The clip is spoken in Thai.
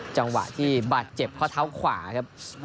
จังหวะที่บาดเจ็บข้อเท้าขวาครับ